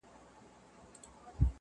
• د چا د ويښ زړگي ميسج ننوت.